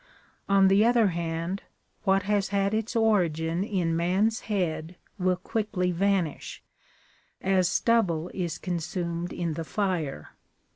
On the other hand, what has had its origin in man's head will quickly vanish,^ as stubble is consumed in the fire.